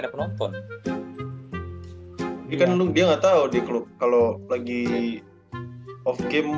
yang kayak james harden di klub striptease